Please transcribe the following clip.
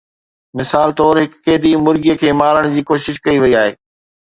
مثال طور، هڪ قيدي مرغي کي مارڻ جي ڪوشش ڪئي وئي آهي